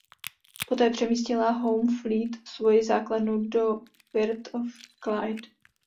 Poté přemístila Home Fleet svoji základnu do Firth of Clyde.